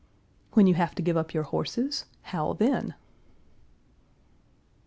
"When you have to give up your horses? How then?"